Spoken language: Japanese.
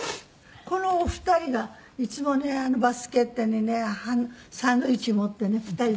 このお二人がいつもねバスケットにねサンドイッチ持ってね２人で。